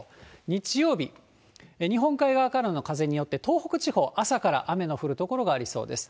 日曜日、日本海側からの風によって、東北地方、朝から雨の降る所がありそうです。